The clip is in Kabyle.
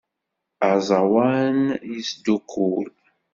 Aẓawan yesdukkul.